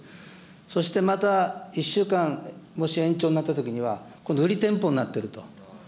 そしてまた１週間もし延長になったときには、今度、売り店舗になっていると。